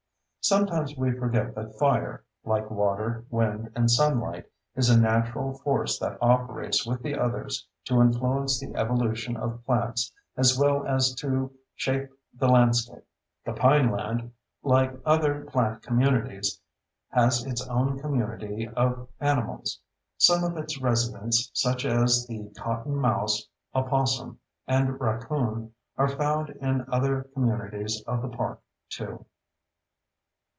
Sometimes we forget that fire—like water, wind, and sunlight—is a natural force that operates with the others to influence the evolution of plants as well as to shape the landscape. The pineland, like other plant communities, has its own community of animals. Some of its residents, such as the cotton mouse, opossum, and raccoon, are found in other communities of the park, too.